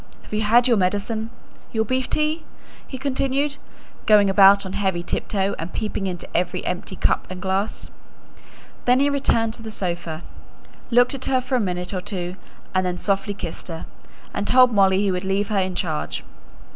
Have you had your medicine? Your beef tea?" he continued, going about on heavy tiptoe and peeping into every empty cup and glass. Then he returned to the sofa; looked at her for a minute or two, and then softly kissed her, and told Molly he would leave her in charge.